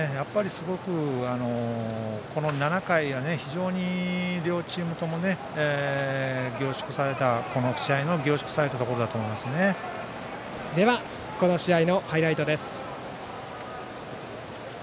すごく７回が非常に両チームともこの試合の凝縮されたところでは、この試合のハイライトです。